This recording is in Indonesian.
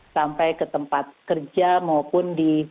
sampai ke tempat kerja maupun di